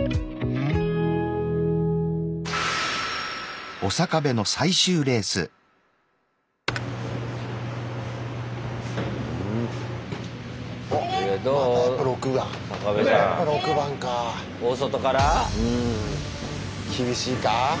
うん厳しいかあ